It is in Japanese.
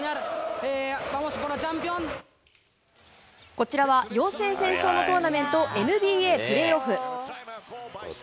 こちらは４戦先勝のトーナメント、ＮＢＡプレーオフ。